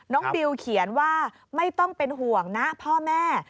บิวเขียนว่าไม่ต้องเป็นห่วงนะพ่อแม่